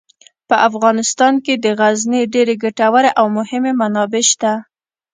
په افغانستان کې د غزني ډیرې ګټورې او مهمې منابع شته.